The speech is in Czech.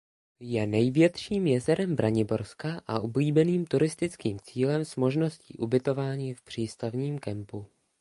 Je největším jezerem Braniborska a oblíbeným turistickým cílem s možností ubytování v přístavním kempu.